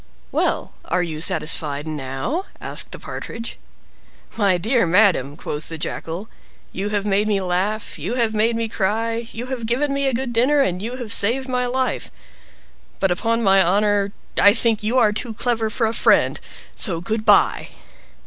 "Well, are you satisfied now?" asked the Partridge. "My dear madam!" quoth the Jackal, "you have made me laugh, you have made me cry, you have given me a good dinner, and you have saved my life; but, upon my honor, I think you are too clever for a friend so good by!"